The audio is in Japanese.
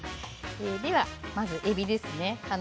まず、えびですね。